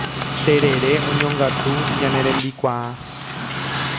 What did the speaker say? Terere oñongatu ñane rembikuaa